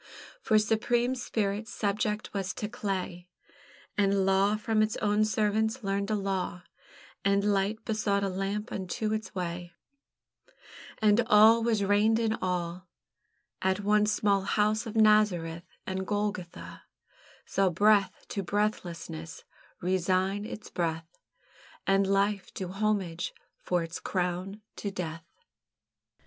For supreme Spirit subject was to clay, And Law from its own servants learned a law, And Light besought a lamp unto its way, And Awe was reined in awe, At one small house of Nazareth; And Golgotha Saw Breath to breathlessness resign its breath, And Life do homage for its crown to death.